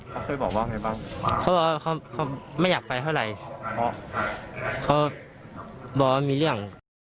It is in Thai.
เขาเคยบอกว่าไงบ้างเขาบอกว่าเขาไม่อยากไปเท่าไหร่เพราะเขาบอกว่ามีเรื่อง